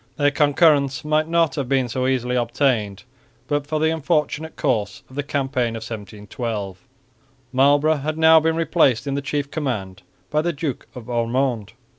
Their concurrence might not have been so easily obtained, but for the unfortunate course of the campaign of 1712. Marlborough had now been replaced in the chief command by the Duke of Ormonde.